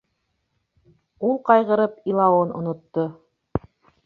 Ул ҡайғырып илауын онотто.